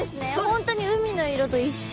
本当に海の色と一緒。